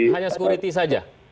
hanya security saja